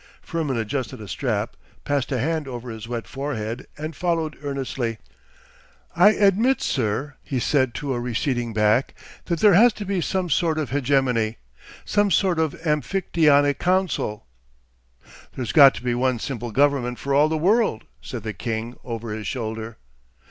Firmin adjusted a strap, passed a hand over his wet forehead, and followed earnestly. 'I admit, sir,' he said to a receding back, 'that there has to be some sort of hegemony, some sort of Amphictyonic council——' 'There's got to be one simple government for all the world,' said the king over his shoulder.